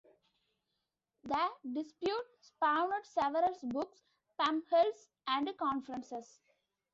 The dispute spawned several books, pamphlets, and conferences.